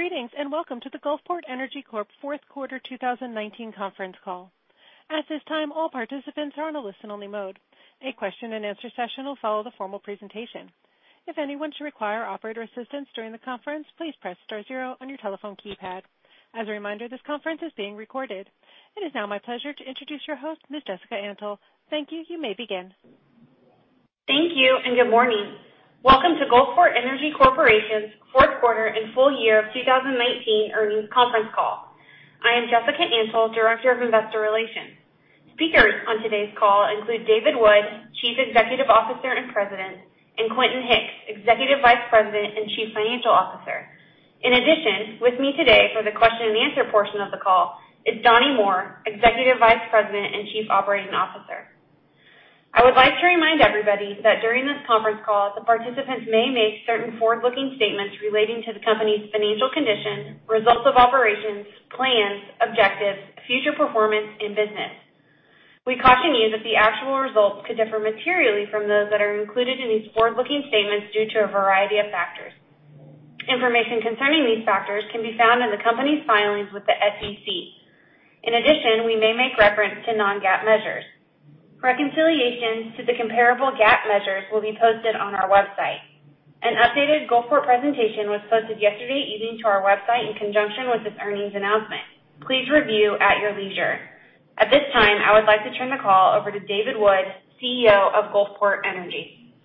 Greetings, welcome to the Gulfport Energy Corp fourth quarter 2019 conference call. At this time, all participants are on a listen-only mode. A question and answer session will follow the formal presentation. If anyone should require operator assistance during the conference, please press star zero on your telephone keypad. As a reminder, this conference is being recorded. It is now my pleasure to introduce your host, Ms. Jessica Antle. Thank you. You may begin. Thank you, and good morning. Welcome to Gulfport Energy Corporation's fourth quarter and full year of 2019 earnings conference call. I am Jessica Antle, Director, Investor Relations. Speakers on today's call include David Wood, Chief Executive Officer and President, and Quentin Hicks, Executive Vice President and Chief Financial Officer. In addition, with me today for the question and answer portion of the call is Donnie Moore, Executive Vice President and Chief Operating Officer. I would like to remind everybody that during this conference call, the participants may make certain forward-looking statements relating to the company's financial condition, results of operations, plans, objectives, future performance and business. We caution you that the actual results could differ materially from those that are included in these forward-looking statements due to a variety of factors. Information concerning these factors can be found in the company's filings with the SEC. In addition, we may make reference to non-GAAP measures. Reconciliations to the comparable GAAP measures will be posted on our website. An updated Gulfport presentation was posted yesterday evening to our website in conjunction with this earnings announcement. Please review at your leisure. At this time, I would like to turn the call over to David Wood, CEO of Gulfport Energy.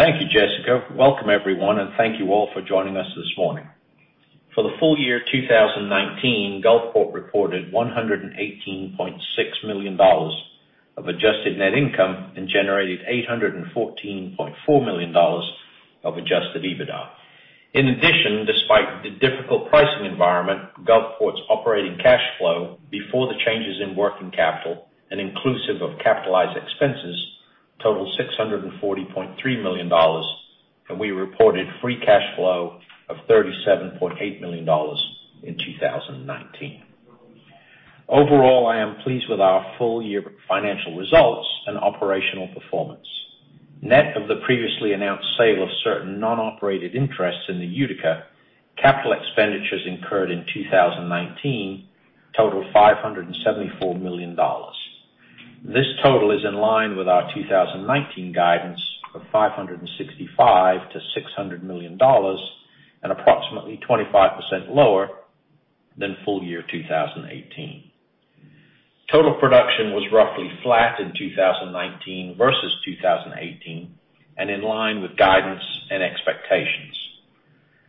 Thank you, Jessica. Welcome, everyone, and thank you all for joining us this morning. For the full year 2019, Gulfport reported $118.6 million of adjusted net income and generated $814.4 million of adjusted EBITDA. Despite the difficult pricing environment, Gulfport's operating cash flow before the changes in working capital and inclusive of capitalized expenses totaled $640.3 million, and we reported free cash flow of $37.8 million in 2019. Overall, I am pleased with our full-year financial results and operational performance. Net of the previously announced sale of certain non-operated interests in the Utica, capital expenditures incurred in 2019 totaled $574 million. This total is in line with our 2019 guidance of $565 million-$600 million and approximately 25% lower than full year 2018. Total production was roughly flat in 2019 versus 2018, and in line with guidance and expectations.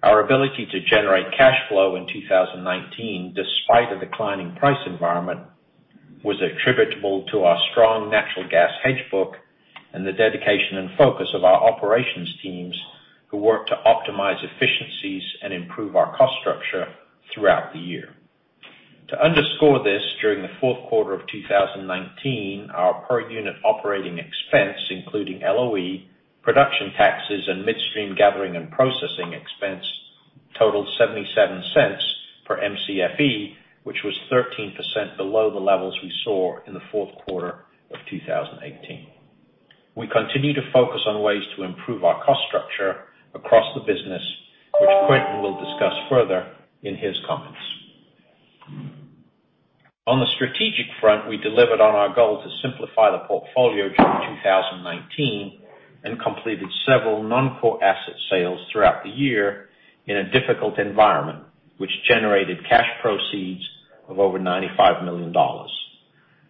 Our ability to generate cash flow in 2019, despite a declining price environment, was attributable to our strong natural gas hedge book and the dedication and focus of our operations teams, who work to optimize efficiencies and improve our cost structure throughout the year. To underscore this, during the fourth quarter of 2019, our per-unit operating expense, including LOE, production taxes, and midstream gathering and processing expense, totaled $0.77 per Mcfe, which was 13% below the levels we saw in the fourth quarter of 2018. We continue to focus on ways to improve our cost structure across the business, which Quentin will discuss further in his comments. On the strategic front, we delivered on our goal to simplify the portfolio during 2019 and completed several non-core asset sales throughout the year in a difficult environment, which generated cash proceeds of over $95 million.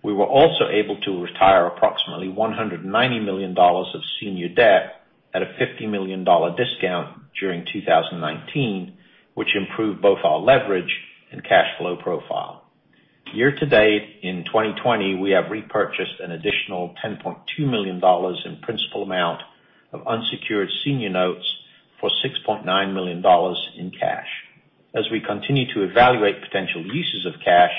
We were also able to retire approximately $190 million of senior debt at a $50 million discount during 2019, which improved both our leverage and cash flow profile. Year to date in 2020, we have repurchased an additional $10.2 million in principal amount of unsecured senior notes for $6.9 million in cash. As we continue to evaluate potential uses of cash,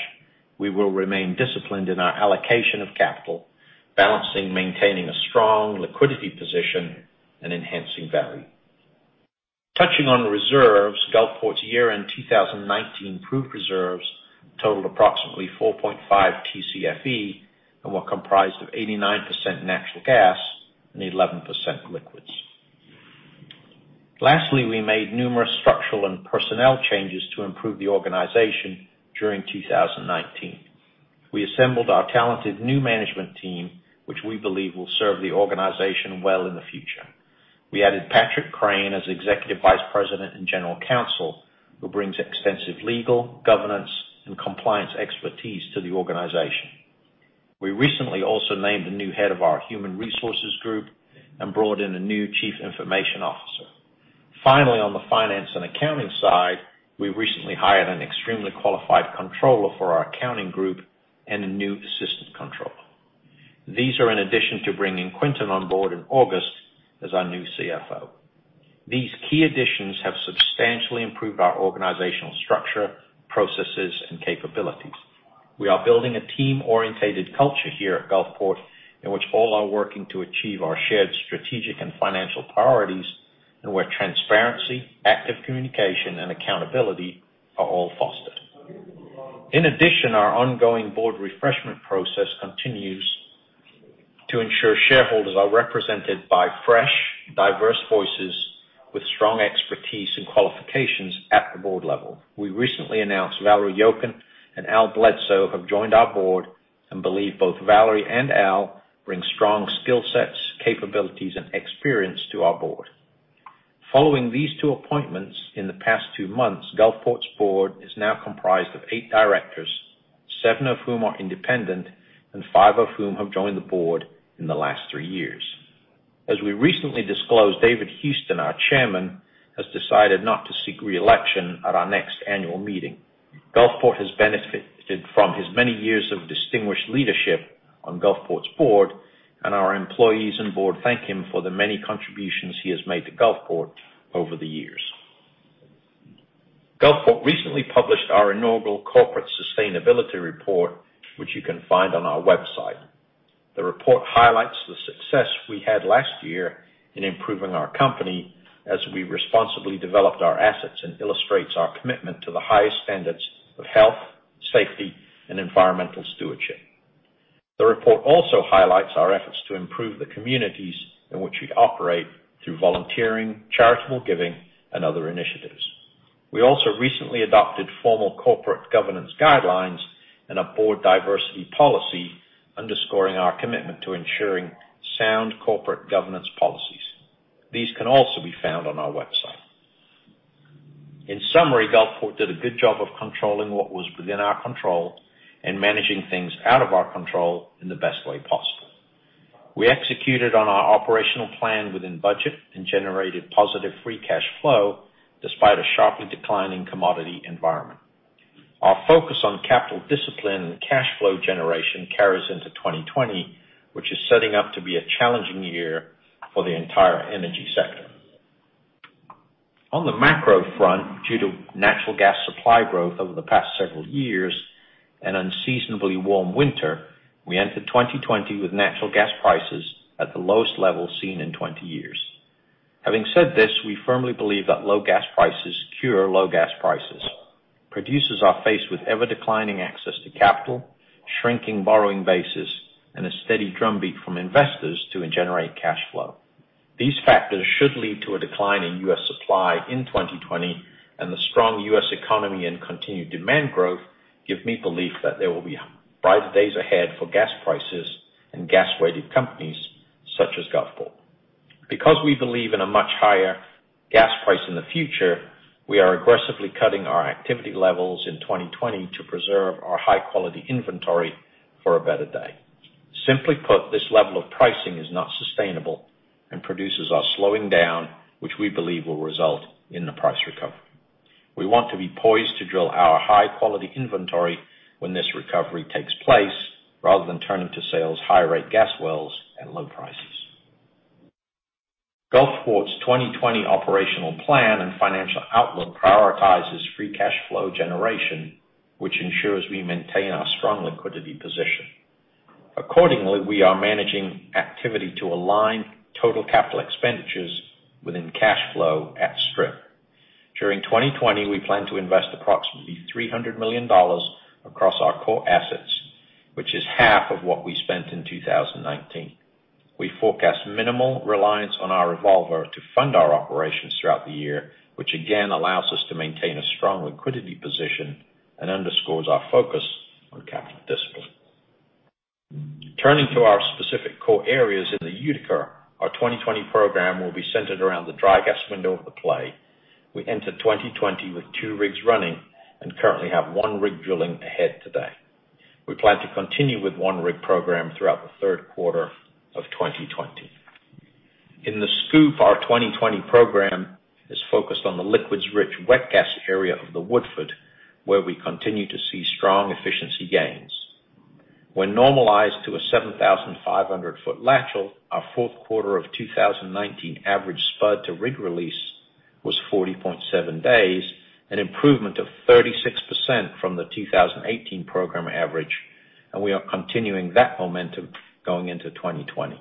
we will remain disciplined in our allocation of capital, balancing maintaining a strong liquidity position and enhancing value. Touching on reserves, Gulfport's year-end 2019 proved reserves totaled approximately 4.5 Tcfe and were comprised of 89% natural gas and 11% liquids. Lastly, we made numerous structural and personnel changes to improve the organization during 2019. We assembled our talented new management team, which we believe will serve the organization well in the future. We added Patrick Craine as Executive Vice President and General Counsel, who brings extensive legal, governance, and compliance expertise to the organization. We recently also named the new head of our human resources group and brought in a new Chief Information Officer. On the finance and accounting side, we recently hired an extremely qualified controller for our accounting group and a new assistant controller. These are in addition to bringing Quentin on board in August as our new CFO. These key additions have substantially improved our organizational structure, processes, and capabilities. We are building a team-orientated culture here at Gulfport, in which all are working to achieve our shared strategic and financial priorities, and where transparency, active communication, and accountability are all fostered. Our ongoing board refreshment process continues to ensure shareholders are represented by fresh, diverse voices with strong expertise and qualifications at the board level. We recently announced Valerie Jochen and Al Bledsoe have joined our board and believe both Valerie and Al bring strong skill sets, capabilities, and experience to our board. Following these two appointments in the past two months, Gulfport's board is now comprised of eight directors, seven of whom are independent and five of whom have joined the board in the last three years. As we recently disclosed, David Houston, our Chairman, has decided not to seek reelection at our next annual meeting. Gulfport has benefited from his many years of distinguished leadership on Gulfport's board, and our employees and board thank him for the many contributions he has made to Gulfport over the years. Gulfport recently published our inaugural corporate sustainability report, which you can find on our website. The report highlights the success we had last year in improving our company as we responsibly developed our assets and illustrates our commitment to the highest standards of health, safety, and environmental stewardship. The report also highlights our efforts to improve the communities in which we operate through volunteering, charitable giving, and other initiatives. We also recently adopted formal corporate governance guidelines and a board diversity policy underscoring our commitment to ensuring sound corporate governance policies. These can also be found on our website. In summary, Gulfport did a good job of controlling what was within our control and managing things out of our control in the best way possible. We executed on our operational plan within budget and generated positive free cash flow despite a sharply declining commodity environment. Our focus on capital discipline and cash flow generation carries into 2020, which is setting up to be a challenging year for the entire energy sector. On the macro front, due to natural gas supply growth over the past several years and unseasonably warm winter, we entered 2020 with natural gas prices at the lowest level seen in 20 years. Having said this, we firmly believe that low gas prices cure low gas prices. Producers are faced with ever-declining access to capital, shrinking borrowing bases, and a steady drumbeat from investors to generate cash flow. These factors should lead to a decline in U.S. supply in 2020, and the strong U.S. economy and continued demand growth give me belief that there will be brighter days ahead for gas prices and gas-weighted companies such as Gulfport. Because we believe in a much higher gas price in the future, we are aggressively cutting our activity levels in 2020 to preserve our high-quality inventory for a better day. Simply put, this level of pricing is not sustainable and producers are slowing down, which we believe will result in a price recovery. We want to be poised to drill our high-quality inventory when this recovery takes place, rather than turning to sales high-rate gas wells at low prices. Gulfport's 2020 operational plan and financial outlook prioritizes free cash flow generation, which ensures we maintain our strong liquidity position. Accordingly, we are managing activity to align total capital expenditures within cash flow at strip. During 2020, we plan to invest approximately $300 million across our core assets, which is half of what we spent in 2019. We forecast minimal reliance on our revolver to fund our operations throughout the year, which again allows us to maintain a strong liquidity position and underscores our focus on capital discipline. Turning to our specific core areas in the Utica, our 2020 program will be centered around the dry gas window of the play. We entered 2020 with two rigs running and currently have one rig drilling ahead today. We plan to continue with one rig program throughout the third quarter of 2020. In the SCOOP, our 2020 program is focused on the liquids-rich, wet gas area of the Woodford, where we continue to see strong efficiency gains. When normalized to a 7,500 ft lateral, our fourth quarter of 2019 average spud to rig release was 40.7 days, an improvement of 36% from the 2018 program average, and we are continuing that momentum going into 2020.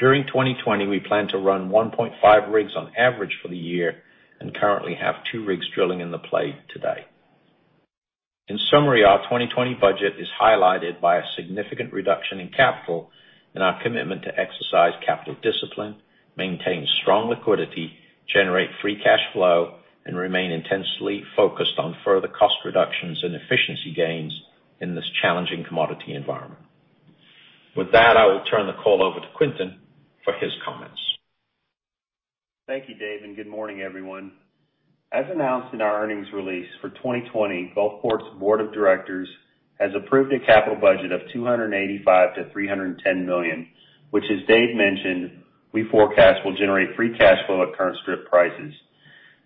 During 2020, we plan to run 1.5 rigs on average for the year and currently have two rigs drilling in the play today. In summary, our 2020 budget is highlighted by a significant reduction in capital and our commitment to exercise capital discipline, maintain strong liquidity, generate free cash flow, and remain intensely focused on further cost reductions and efficiency gains in this challenging commodity environment. With that, I will turn the call over to Quentin for his comments. Thank you, Dave. Good morning, everyone. As announced in our earnings release for 2020, Gulfport's board of directors has approved a capital budget of $285 million-$310 million, which, as Dave mentioned, we forecast will generate free cash flow at current strip prices.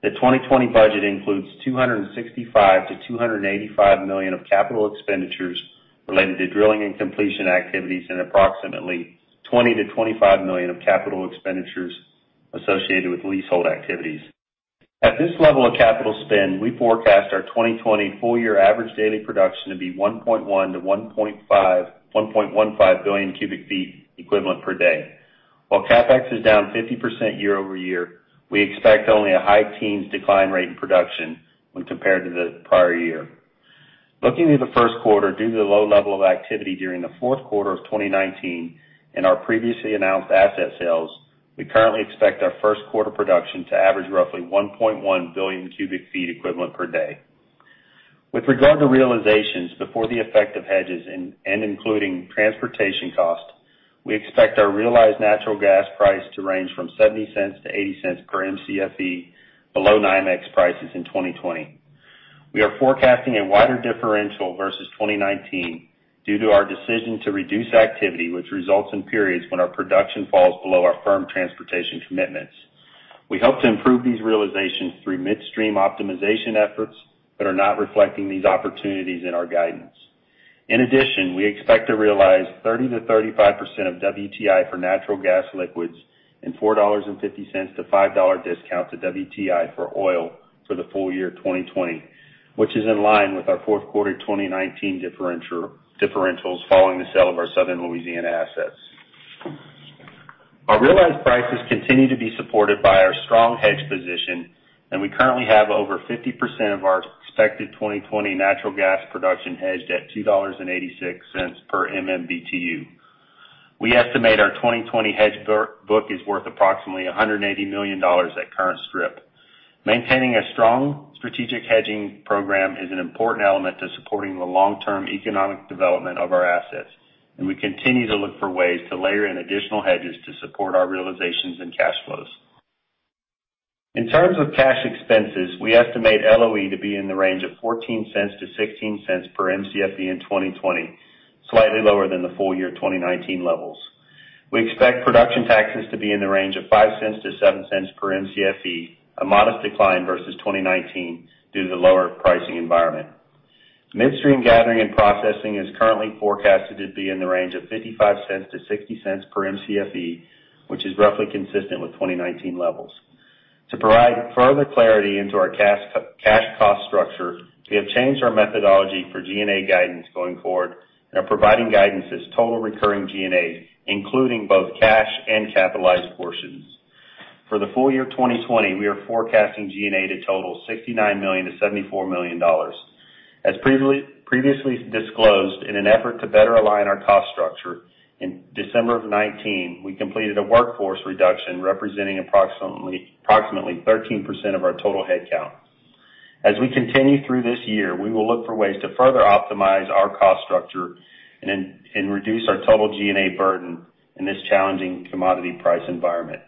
The 2020 budget includes $265 million-$285 million of capital expenditures related to drilling and completion activities and approximately $20 million-$25 million of capital expenditures associated with leasehold activities. At this level of capital spend, we forecast our 2020 full-year average daily production to be 1.1 billion cubic feet-1.15 billion cubic feet equivalent per day. While CapEx is down 50% year-over-year, we expect only a high teens decline rate in production when compared to the prior year. Looking to the first quarter, due to the low level of activity during the fourth quarter of 2019 and our previously announced asset sales, we currently expect our first quarter production to average roughly 1.1 billion cubic feet equivalent per day. With regard to realizations, before the effect of hedges and including transportation cost, we expect our realized natural gas price to range from $0.70-$0.80 per Mcfe below NYMEX prices in 2020. We are forecasting a wider differential versus 2019 due to our decision to reduce activity, which results in periods when our production falls below our firm transportation commitments. We hope to improve these realizations through midstream optimization efforts that are not reflecting these opportunities in our guidance. In addition, we expect to realize 30%-35% of WTI for natural gas liquids and $4.50-$5 discount to WTI for oil for the full year 2020, which is in line with our fourth quarter 2019 differentials following the sale of our Southern Louisiana assets. Our realized prices continue to be supported by our strong hedge position, and we currently have over 50% of our expected 2020 natural gas production hedged at $2.86 per MMBtu. We estimate our 2020 hedge book is worth approximately $180 million at current strip. Maintaining a strong strategic hedging program is an important element to supporting the long-term economic development of our assets, and we continue to look for ways to layer in additional hedges to support our realizations and cash flows. In terms of cash expenses, we estimate LOE to be in the range of $0.14-$0.16 per Mcfe in 2020, slightly lower than the full year 2019 levels. We expect production taxes to be in the range of $0.05-$0.07 per Mcfe, a modest decline versus 2019 due to the lower pricing environment. Midstream gathering and processing is currently forecasted to be in the range of $0.55-$0.60 per Mcfe, which is roughly consistent with 2019 levels. To provide further clarity into our cash cost structure, we have changed our methodology for G&A guidance going forward and are providing guidance as total recurring G&A, including both cash and capitalized portions. For the full year 2020, we are forecasting G&A to total $69 million-$74 million. As previously disclosed, in an effort to better align our cost structure, in December of 2019, we completed a workforce reduction representing approximately 13% of our total headcount. As we continue through this year, we will look for ways to further optimize our cost structure and reduce our total G&A burden in this challenging commodity price environment.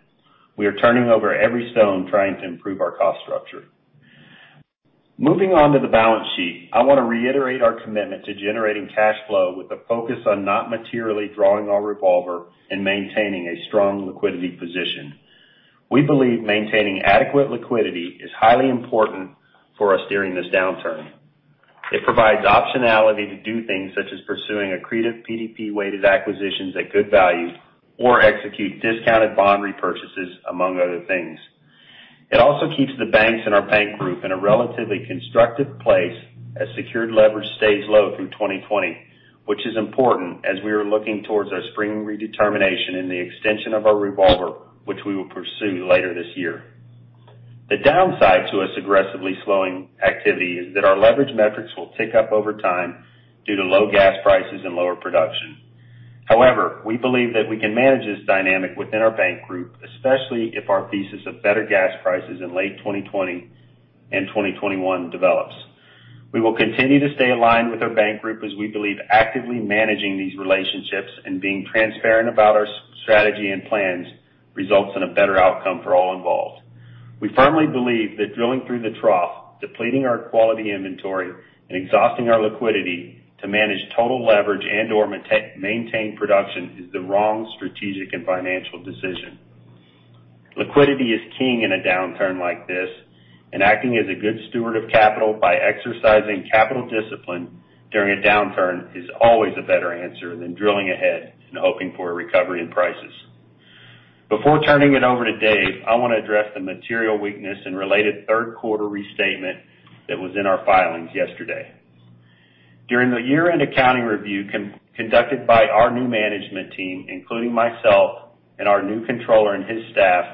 We are turning over every stone trying to improve our cost structure. Moving on to the balance sheet, I want to reiterate our commitment to generating cash flow with a focus on not materially drawing our revolver and maintaining a strong liquidity position. We believe maintaining adequate liquidity is highly important for us during this downturn. It provides optionality to do things such as pursuing accretive PDP-weighted acquisitions at good value or execute discounted bond repurchases, among other things. It also keeps the banks and our bank group in a relatively constructive place as secured leverage stays low through 2020, which is important as we are looking towards our spring redetermination and the extension of our revolver, which we will pursue later this year. The downside to us aggressively slowing activity is that our leverage metrics will tick up over time due to low gas prices and lower production. We believe that we can manage this dynamic within our bank group, especially if our thesis of better gas prices in late 2020 and 2021 develops. We will continue to stay aligned with our bank group as we believe actively managing these relationships and being transparent about our strategy and plans results in a better outcome for all involved. We firmly believe that drilling through the trough, depleting our quality inventory, and exhausting our liquidity to manage total leverage and/or maintain production is the wrong strategic and financial decision. Liquidity is king in a downturn like this, and acting as a good steward of capital by exercising capital discipline during a downturn is always a better answer than drilling ahead and hoping for a recovery in prices. Before turning it over to Dave, I want to address the material weakness and related third quarter restatement that was in our filings yesterday. During the year-end accounting review conducted by our new management team, including myself and our new controller and his staff,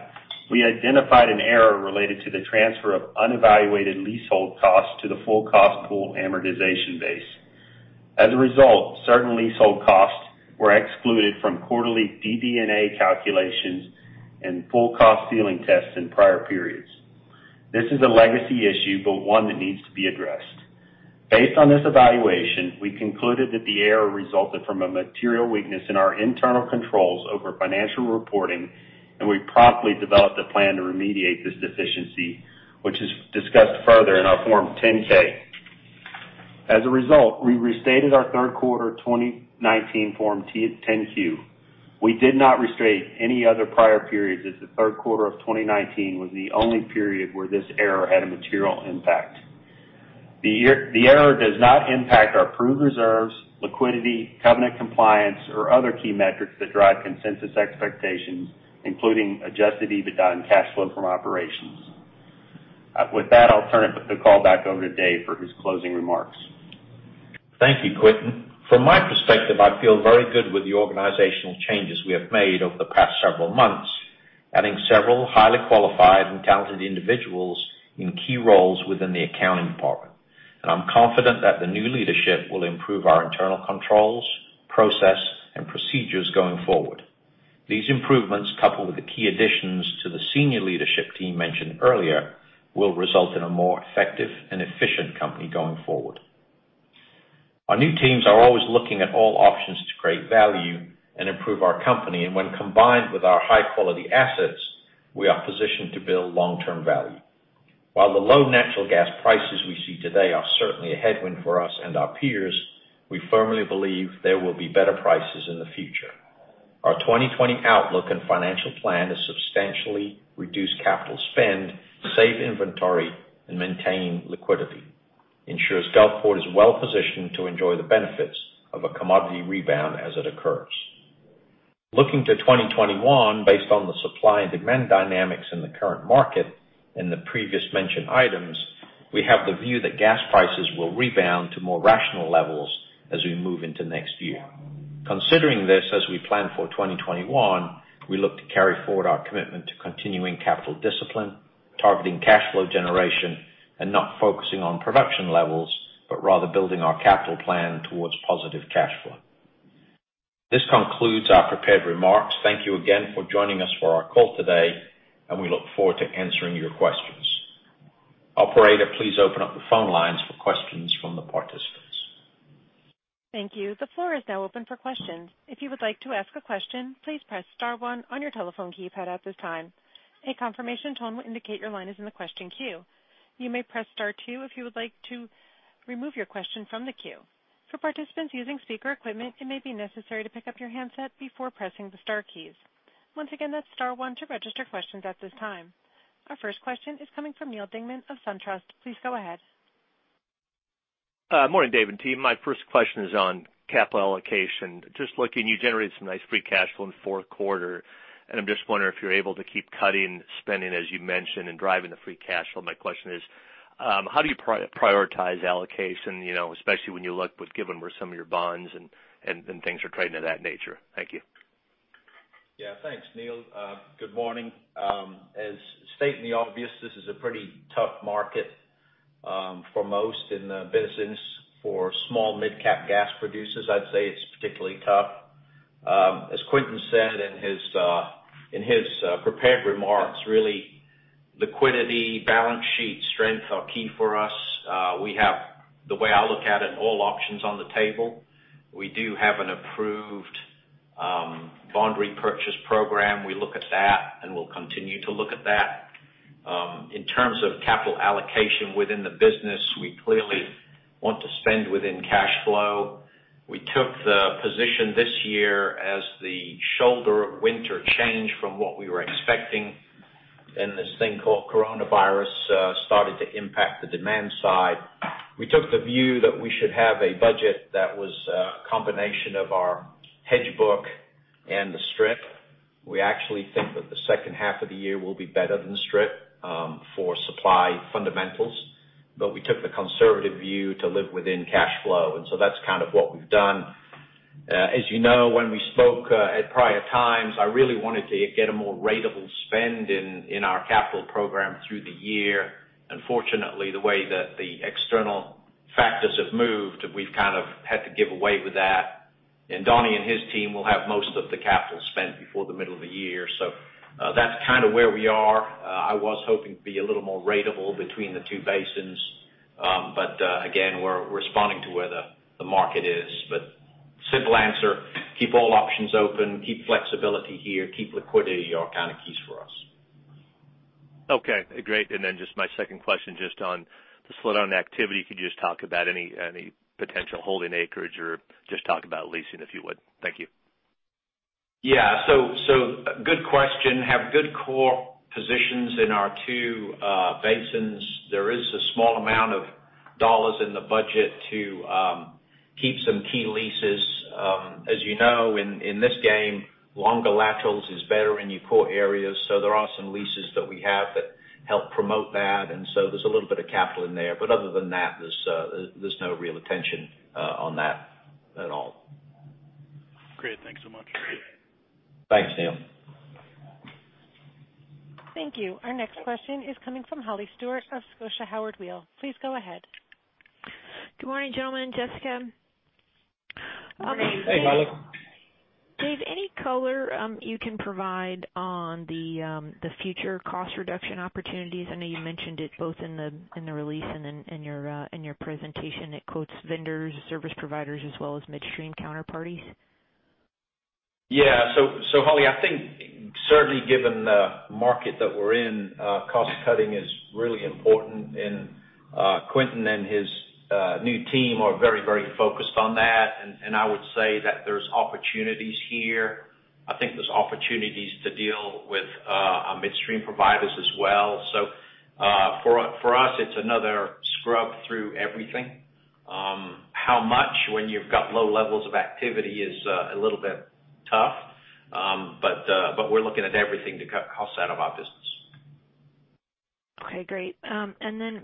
we identified an error related to the transfer of unevaluated leasehold costs to the full cost pool amortization base. As a result, certain leasehold costs were excluded from quarterly DD&A calculations and full cost ceiling tests in prior periods. This is a legacy issue, but one that needs to be addressed. Based on this evaluation, we concluded that the error resulted from a material weakness in our internal controls over financial reporting, and we promptly developed a plan to remediate this deficiency, which is discussed further in our Form 10-K. As a result, we restated our third quarter 2019 Form 10-Q. We did not restate any other prior periods, as the third quarter of 2019 was the only period where this error had a material impact. The error does not impact our approved reserves, liquidity, covenant compliance, or other key metrics that drive consensus expectations, including adjusted EBITDA and cash flow from operations. With that, I'll turn the call back over to Dave for his closing remarks. Thank you, Quentin. From my perspective, I feel very good with the organizational changes we have made over the past several months, adding several highly qualified and talented individuals in key roles within the accounting department, and I'm confident that the new leadership will improve our internal controls, process, and procedures going forward. These improvements, coupled with the key additions to the senior leadership team mentioned earlier, will result in a more effective and efficient company going forward. Our new teams are always looking at all options to create value and improve our company. When combined with our high-quality assets, we are positioned to build long-term value. While the low natural gas prices we see today are certainly a headwind for us and our peers, we firmly believe there will be better prices in the future. Our 2020 outlook and financial plan is substantially reduce capital spend, save inventory, and maintain liquidity, ensures Gulfport is well-positioned to enjoy the benefits of a commodity rebound as it occurs. Looking to 2021, based on the supply and demand dynamics in the current market and the previous mentioned items, we have the view that gas prices will rebound to more rational levels as we move into next year. Considering this as we plan for 2021, we look to carry forward our commitment to continuing capital discipline, targeting cash flow generation, and not focusing on production levels, but rather building our capital plan towards positive cash flow. This concludes our prepared remarks. Thank you again for joining us for our call today, and we look forward to answering your questions. Operator, please open up the phone lines for questions from the participants. Thank you. The floor is now open for questions. If you would like to ask a question, please press star one on your telephone keypad at this time. A confirmation tone will indicate your line is in the question queue. You may press star two if you would like to remove your question from the queue. For participants using speaker equipment, it may be necessary to pick up your handset before pressing the star keys. Once again, that's star one to register questions at this time. Our first question is coming from Neal Dingmann of SunTrust. Please go ahead. Morning, Dave and team. My first question is on capital allocation. Just looking, you generated some nice free cash flow in the fourth quarter, and I'm just wondering if you're able to keep cutting spending, as you mentioned, and driving the free cash flow. My question is, how do you prioritize allocation, especially when you look with given where some of your bonds and things are trading of that nature? Thank you. Yeah, thanks, Neal. Good morning. As stated in the obvious, this is a pretty tough market for most in the business. For small mid-cap gas producers, I'd say it's particularly tough. As Quentin said in his prepared remarks, really liquidity, balance sheet strength are key for us. We have, the way I look at it, all options on the table. We do have an approved bond repurchase program. We look at that, and we'll continue to look at that. In terms of capital allocation within the business, we clearly want to spend within cash flow. We took the position this year as the shoulder of winter changed from what we were expecting, and this thing called coronavirus started to impact the demand side. We took the view that we should have a budget that was a combination of our hedge book and the strip. We actually think that the second half of the year will be better than the strip for supply fundamentals, but we took the conservative view to live within cash flow, and so that's kind of what we've done. As you know, when we spoke at prior times, I really wanted to get a more ratable spend in our capital program through the year. Unfortunately, the way that the external factors have moved, we've kind of had to give away with that. Donnie and his team will have most of the capital spent before the middle of the year. That's kind of where we are. I was hoping to be a little more ratable between the two basins. Again, we're responding to where the market is. Simple answer, keep all options open, keep flexibility here, keep liquidity are kind of keys for us. Okay, great. Then just my second question, just on the slowdown in activity. Could you just talk about any potential holding acreage or just talk about leasing, if you would? Thank you. Yeah. Good question. Have good core positions in our two basins. There is a small amount of dollars in the budget to keep some key leases. As you know, in this game, longer laterals is better in your core areas. There are some leases that we have that help promote that, and so there's a little bit of capital in there. Other than that, there's no real attention on that at all. Great. Thanks so much. Thanks, Neal. Thank you. Our next question is coming from Holly Stewart of Scotia Howard Weil. Please go ahead. Good morning, gentlemen, Jessica. Hey, Holly. Dave, any color you can provide on the future cost reduction opportunities? I know you mentioned it both in the release and in your presentation. It quotes vendors, service providers, as well as midstream counterparties. Yeah. Holly, I think certainly given the market that we're in, cost cutting is really important, and Quentin and his new team are very focused on that. I would say that there's opportunities here. I think there's opportunities to deal with our midstream providers as well. For us, it's another scrub through everything. How much when you've got low levels of activity is a little bit tough. We're looking at everything to cut costs out of our business. Okay, great.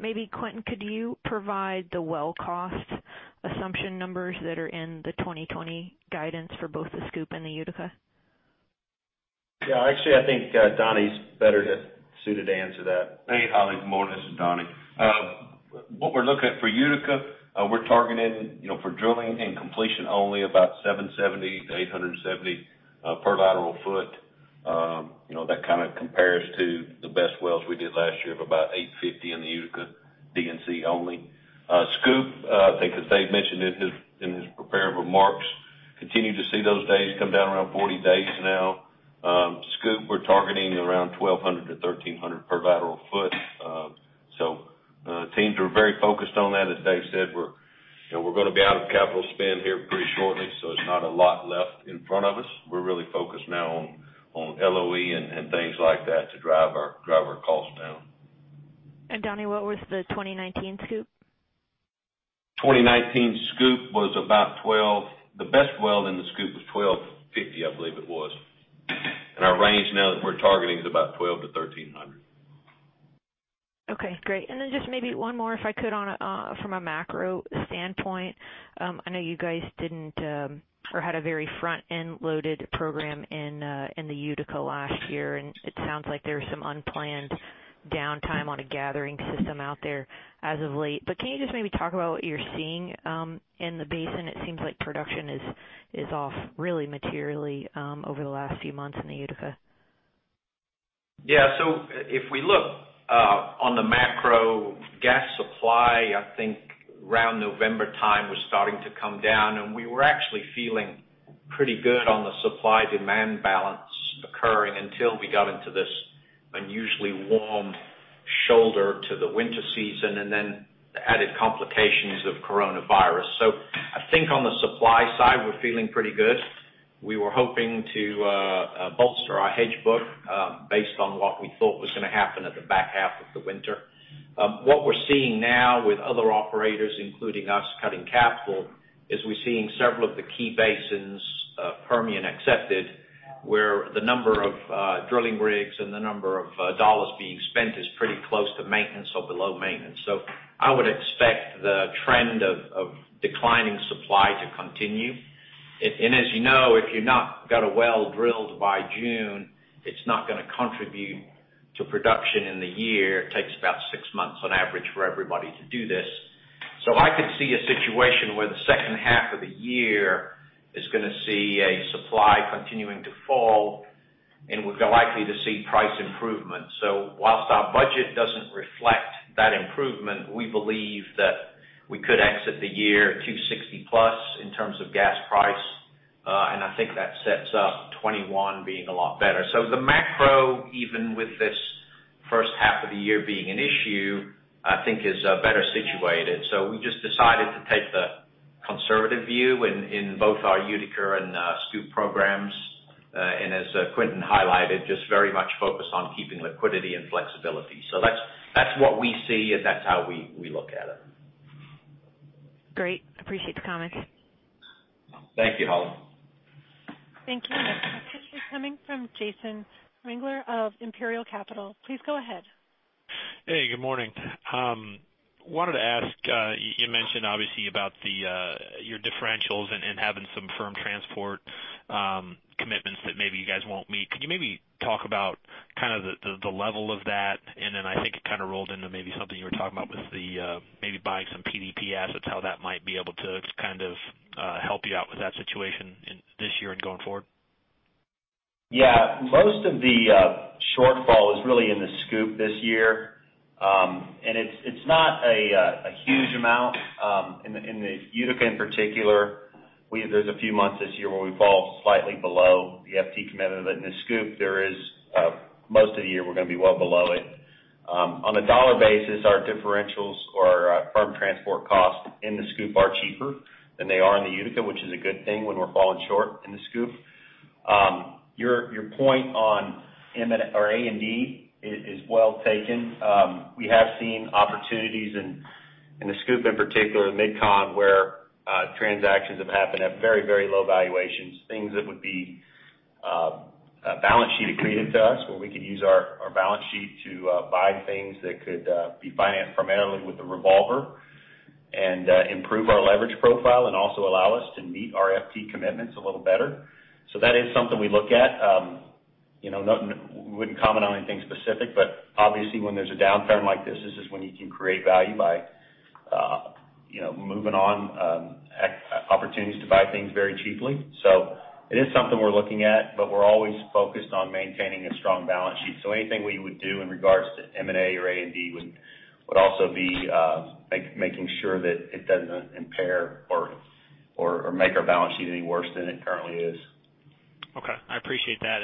Maybe Quentin, could you provide the well cost assumption numbers that are in the 2020 guidance for both the SCOOP and the Utica? Yeah, actually, I think Donnie's better suited to answer that. Hey, Holly, good morning. This is Donnie. What we're looking at for Utica, we're targeting for drilling and completion only about $770-$870 per lateral foot. That kind of compares to the best wells we did last year of about $850 in the Utica D&C only. SCOOP, I think that Dave mentioned in his prepared remarks, continue to see those days come down around 40 days now. SCOOP, we're targeting around $1,200-$1,300 per lateral foot. The teams are very focused on that. As Dave said, we're going to be out of capital spend here pretty shortly, so there's not a lot left in front of us. We're really focused now on LOE and things like that to drive our costs down. Donnie, what was the 2019 SCOOP? 2019 SCOOP, the best well in the SCOOP was $1,250, I believe it was. Our range now that we're targeting is about $1,200-$1,300. Okay, great. Then just maybe one more, if I could, from a macro standpoint. I know you guys didn't, or had a very front-end loaded program in the Utica last year, and it sounds like there was some unplanned downtime on a gathering system out there as of late. Can you just maybe talk about what you're seeing in the basin? It seems like production is off really materially over the last few months in the Utica. If we look on the macro gas supply, I think around November time was starting to come down, and we were actually feeling pretty good on the supply-demand balance occurring until we got into this unusually warm shoulder to the winter season, and then the added complications of coronavirus. I think on the supply side, we're feeling pretty good. We were hoping to bolster our hedge book based on what we thought was going to happen at the back half of the winter. What we're seeing now with other operators, including us cutting capital, is we're seeing several of the key basins, Permian excepted, where the number of drilling rigs and the number of dollars being spent is pretty close to maintenance or below maintenance. I would expect the trend of declining supply to continue. As you know, if you've not got a well drilled by June, it's not going to contribute to production in the year. It takes about six months on average for everybody to do this. I could see a situation where the second half of the year is going to see a supply continuing to fall, and we're likely to see price improvement. Whilst our budget doesn't reflect that improvement, we believe that we could exit the year at $2.60+ in terms of gas price. I think that sets up 2021 being a lot better. The macro, even with this first half of the year being an issue, I think is better situated. We just decided to take the conservative view in both our Utica and SCOOP programs. As Quentin highlighted, just very much focused on keeping liquidity and flexibility. That's what we see, and that's how we look at it. Great. Appreciate the comments. Thank you, Holly. Thank you. Next question is coming from Jason Wangler of Imperial Capital. Please go ahead. Hey, good morning. Wanted to ask, you mentioned obviously about your differentials and having some firm transport commitments that maybe you guys won't meet. Could you maybe talk about the level of that? Then I think it kind of rolls into maybe something you were talking about with the maybe buying some PDP assets, how that might be able to kind of help you out with that situation this year and going forward. Yeah. Most of the shortfall is really in the SCOOP this year. It's not a huge amount. In the Utica in particular, there's a few months this year where we fall slightly below the FT commitment. In the SCOOP, most of the year we're going to be well below it. On a dollar basis, our differentials or our firm transport costs in the SCOOP are cheaper than they are in the Utica, which is a good thing when we're falling short in the SCOOP. Your point on M&A or A&D is well taken. We have seen opportunities in the SCOOP, in particular Mid-Con, where transactions have happened at very low valuations, things that would be balance sheet accretive to us, where we could use our balance sheet to buy things that could be financed primarily with the revolver and improve our leverage profile and also allow us to meet our FT commitments a little better. That is something we look at. We wouldn't comment on anything specific, but obviously when there's a downturn like this is when you can create value by moving on opportunities to buy things very cheaply. It is something we're looking at, but we're always focused on maintaining a strong balance sheet. Anything we would do in regards to M&A or A&D would also be making sure that it doesn't impair or make our balance sheet any worse than it currently is. Okay. I appreciate that.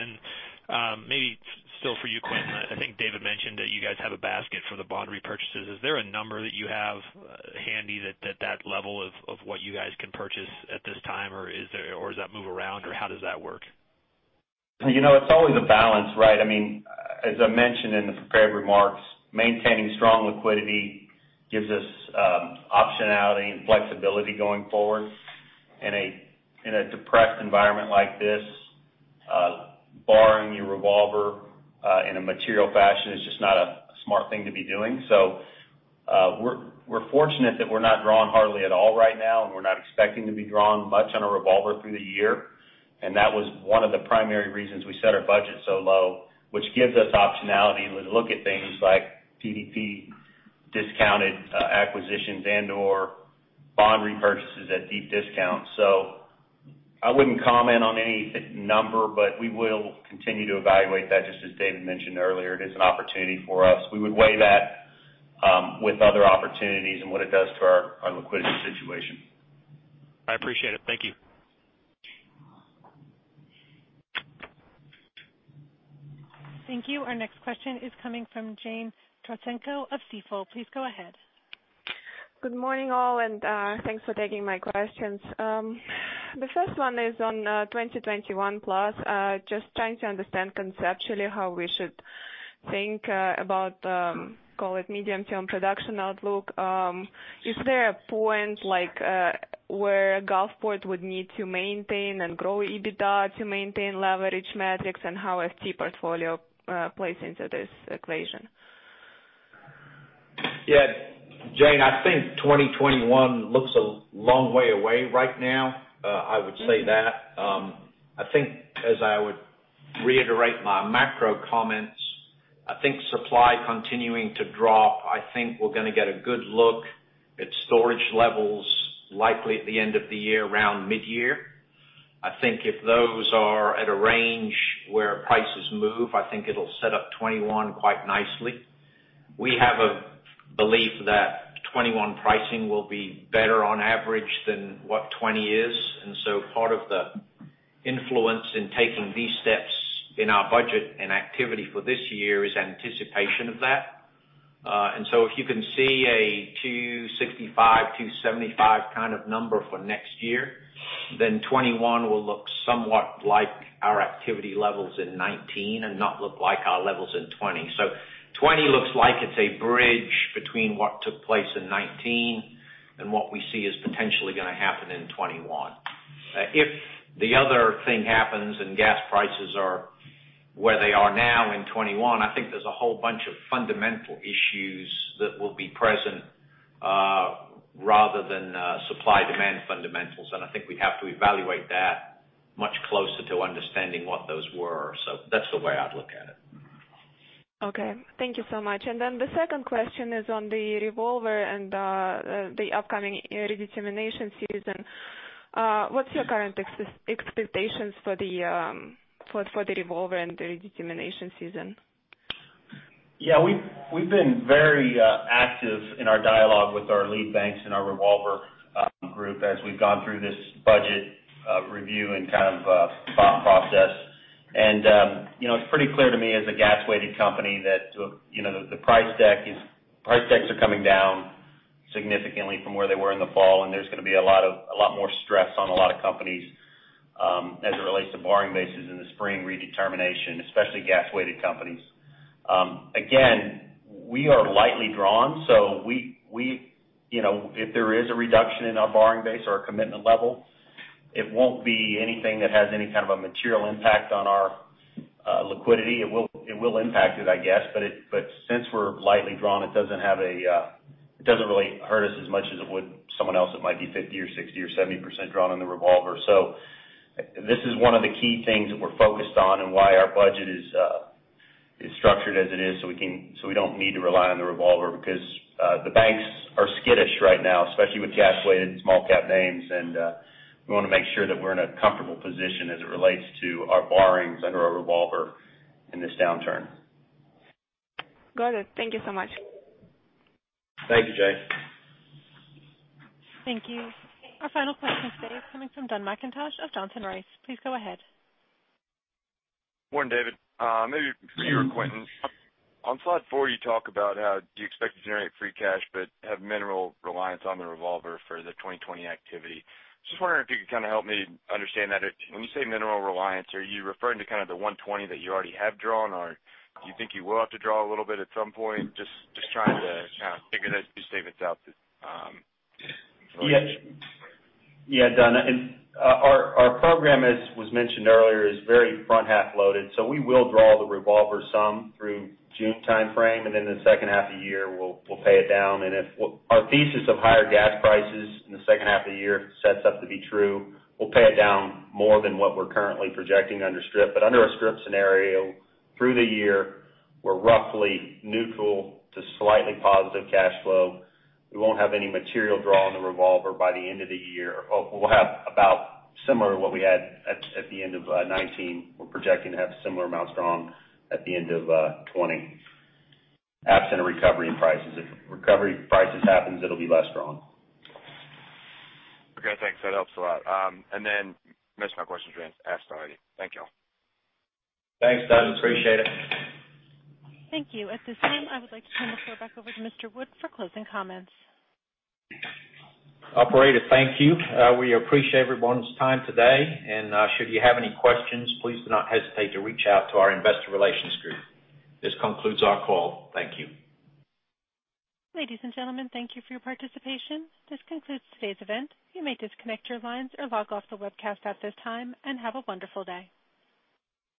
Maybe still for you, Quentin, I think David mentioned that you guys have a basket for the bond repurchases. Is there a number that you have handy that level of what you guys can purchase at this time, or does that move around, or how does that work? I mean, as I mentioned in the prepared remarks, maintaining strong liquidity gives us optionality and flexibility going forward. In a depressed environment like this, borrowing your revolver in a material fashion is just not a smart thing to be doing. We are fortunate that we are not drawing hardly at all right now, and we are not expecting to be drawing much on a revolver through the year. That was one of the primary reasons we set our budget so low, which gives us optionality when we look at things like PDP discounted acquisitions and/or bond repurchases at deep discounts. I would not comment on any number, but we will continue to evaluate that. Just as David mentioned earlier, it is an opportunity for us. We would weigh that with other opportunities and what it does to our liquidity situation. I appreciate it. Thank you. Thank you. Our next question is coming from Jane Trotsenko of Stifel. Please go ahead. Good morning, all, and thanks for taking my questions. The first one is on 2021 plus. Just trying to understand conceptually how we should think about, call it medium-term production outlook. Is there a point where Gulfport would need to maintain and grow EBITDA to maintain leverage metrics, and how FT portfolio plays into this equation? Yeah. Jane, I think 2021 looks a long way away right now. I would say that. I think as I would reiterate my macro comments, I think supply continuing to drop. I think we're going to get a good look at storage levels, likely at the end of the year, around mid-year. I think if those are at a range where prices move, I think it'll set up 2021 quite nicely. We have a belief that 2021 pricing will be better on average than what 2020 is. Part of the influence in taking these steps in our budget and activity for this year is anticipation of that. If you can see a $2.65, $2.75 kind of number for next year, then 2021 will look somewhat like our activity levels in 2019 and not look like our levels in 2020. 2020 looks like it's a bridge between what took place in 2019 and what we see is potentially going to happen in 2021. If the other thing happens and gas prices are where they are now in 2021, I think there's a whole bunch of fundamental issues that will be present rather than supply-demand fundamentals, and I think we'd have to evaluate that much closer to understanding what those were. That's the way I'd look at it. Okay. Thank you so much. The second question is on the revolver and the upcoming redetermination season. What's your current expectations for the revolver and the redetermination season? We've been very active in our dialogue with our lead banks and our revolver group as we've gone through this budget review and kind of thought process. It's pretty clear to me as a gas-weighted company that the price decks are coming down significantly from where they were in the fall, and there's going to be a lot more stress on a lot of companies as it relates to borrowing bases in the spring redetermination, especially gas-weighted companies. Again, we are lightly drawn, so if there is a reduction in our borrowing base or our commitment level, it won't be anything that has any kind of a material impact on our liquidity. It will impact it, I guess, but since we're lightly drawn, it doesn't really hurt us as much as it would someone else that might be 50% or 60% or 70% drawn on the revolver. This is one of the key things that we're focused on and why our budget is structured as it is, so we don't need to rely on the revolver because the banks are skittish right now, especially with cash-weighted small cap names, and we want to make sure that we're in a comfortable position as it relates to our borrowings under a revolver in this downturn. Got it. Thank you so much. Thank you, Jane. Thank you. Our final question today is coming from Dun McIntosh of Johnson Rice. Please go ahead. Morning, David. Maybe for you or Quentin. On slide four, you talk about how you expect to generate free cash but have minimal reliance on the revolver for the 2020 activity. Just wondering if you could kind of help me understand that. When you say minimal reliance, are you referring to kind of the $120 that you already have drawn, or do you think you will have to draw a little bit at some point? Just trying to kind of figure those two statements out. Dun. Our program, as was mentioned earlier, is very front-half loaded, so we will draw the revolver some through June timeframe, and then the second half of the year, we'll pay it down. If our thesis of higher gas prices in the second half of the year sets up to be true, we'll pay it down more than what we're currently projecting under strip. Under a strip scenario through the year, we're roughly neutral to slightly positive cash flow. We won't have any material draw on the revolver by the end of the year. We'll have about similar to what we had at the end of 2019. We're projecting to have similar amounts drawn at the end of 2020, absent a recovery in prices. If recovery prices happens, it'll be less drawn. Okay, thanks. That helps a lot. I guess my question's been asked already. Thank you all. Thanks, Dun. Appreciate it. Thank you. At this time, I would like to turn the floor back over to Mr. Wood for closing comments. Operator, thank you. We appreciate everyone's time today. Should you have any questions, please do not hesitate to reach out to our investor relations group. This concludes our call. Thank you. Ladies and gentlemen, thank you for your participation. This concludes today's event. You may disconnect your lines or log off the webcast at this time. Have a wonderful day.